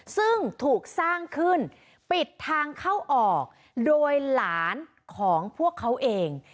ซึ่งถูกสร้างขึ้นปิดทางเข้าออกโดยหลานของพวกเขาเอง